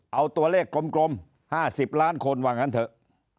เอาตัวเลขกลม๕๐ล้านคนว่างั้นเถอะ